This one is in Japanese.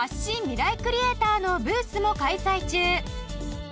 ミライクリエイター』のブースも開催中。